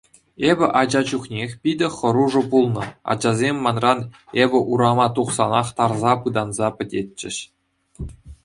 Эпӗ ача чухнех питӗ хӑрушӑ пулнӑ, ачасем манран эпӗ урама тухсанах тарса пытанса пӗтетчӗҫ.